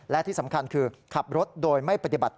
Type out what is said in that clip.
และที่สำคัญคือขับรถโดยไม่ปฏิบัติ